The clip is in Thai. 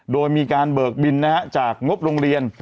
โดยมีการเบิกบินจากงบโรงเรียน